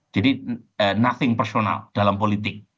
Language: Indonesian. jadi nothing personal dalam politik